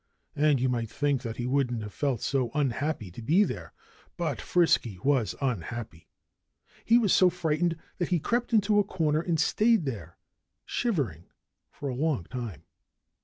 And you might think that he wouldn't have felt so unhappy to be there. But Frisky was unhappy. He was so frightened that he crept into a corner and stayed there, shivering, for a long time.